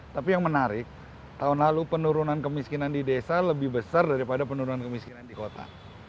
tapi yang menarik tahun lalu penurunan kemiskinan di desa lebih besar daripada penurunan kemiskinan di kota